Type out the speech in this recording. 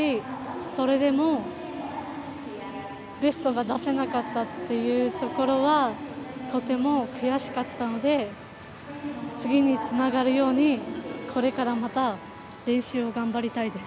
それでもベストが出せなかったというところはとても悔しかったので次につながるようにこれからまた練習を頑張りたいです。